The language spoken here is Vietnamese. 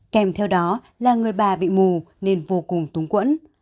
kèm theo đó là người bà bị mù nên vô cùng túng quẫn